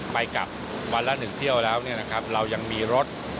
ไปกลับวันละ๑เที่ยวแล้วเนี่ยนะครับเรายังมีรถ